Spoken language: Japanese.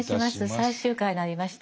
最終回になりました。